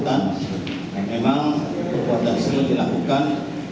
aibtu fn mengakuinya juga sebagai yang bersambungkan